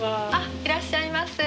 いらっしゃいませ。